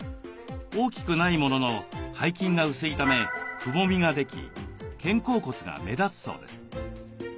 大きくないものの背筋が薄いためくぼみができ肩甲骨が目立つそうです。